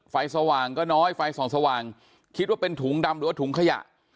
สว่างก็น้อยไฟส่องสว่างคิดว่าเป็นถุงดำหรือว่าถุงขยะ